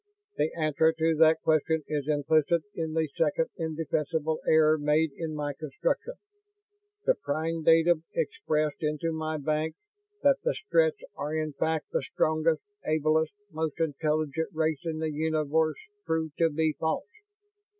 "The answer to that question is implicit in the second indefensible error made in my construction. The prime datum impressed into my banks, that the Stretts are in fact the strongest, ablest, most intelligent race in the universe, proved to be false.